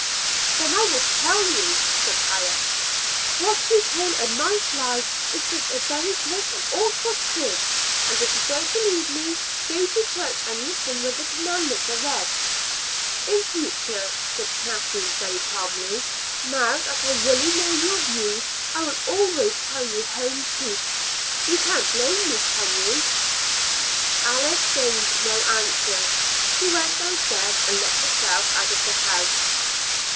"Then I will tell you," said Alice. "What you call a nice lie is just a very great and awful sin; and if you don't believe me, go to church and listen when the commandments are read." "In future," said Kathleen very calmly, "now that I really know your views, I will always tell you home truths. You can't blame me, can you?" Alice deigned no answer. She went downstairs and let herself out of the house.